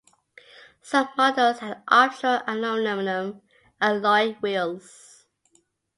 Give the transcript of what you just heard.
Some models had optional aluminum alloy wheels.